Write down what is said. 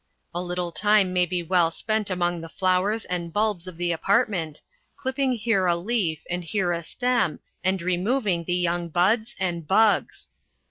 A little time may be well spent among the flowers and bulbs of the apartment, clipping here a leaf and here a stem, and removing the young buds and bugs.